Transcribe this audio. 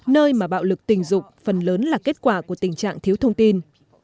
nơi mà bạo lực tình dục phần lớn là kết quả của tình trạng thiếu thông tin